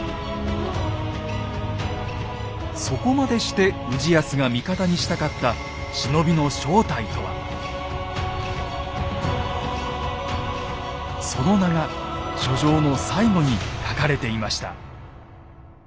そこまでして氏康が味方にしたかったその名が書状の最後に書かれていました。